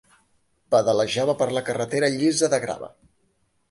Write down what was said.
Pedalejava per la carretera llisa de grava.